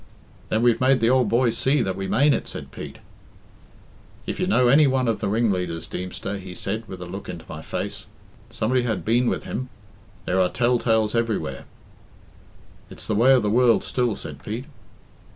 "Then we've made the ould boy see that we mane it," said Pete. "'If you know any one of the ringleaders, Deemster,' he said, with a look into my face somebody had been with him there are tell tales everywhere " "It's the way of the world still," said Pete.